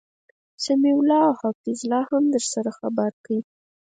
سمیع الله او حفیظ الله هم درسره خبرکی